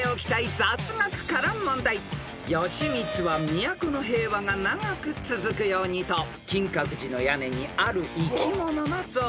［義満は都の平和が長く続くようにと金閣寺の屋根にある生き物の像を設置しました］